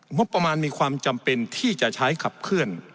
งบประมาณมีความจำเป็นที่จะใช้ขับเคลื่อน